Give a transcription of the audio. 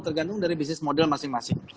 tergantung dari bisnis model masing masing